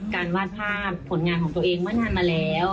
การวาดภาพผลงานของตัวเองเมื่อนานมาแล้ว